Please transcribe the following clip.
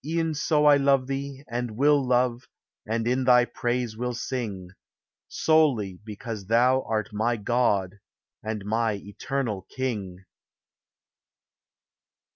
E'en so I love thee, and will love, And in thy praise will sing, — Solely because thou art my God, And my eternal King.